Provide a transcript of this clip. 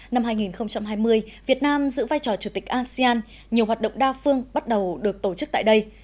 năm hai nghìn hai mươi việt nam giữ vai trò chủ tịch asean nhiều hoạt động đa phương bắt đầu được tổ chức tại đây